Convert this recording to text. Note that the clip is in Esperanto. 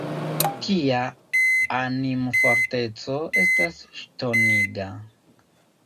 Tia animforteco estas ŝtoniga.